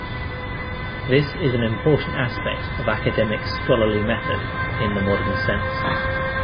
This is an important aspect of academic scholarly method in the modern sense.